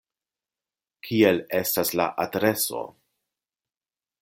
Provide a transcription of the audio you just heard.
Kiel estas la adreso?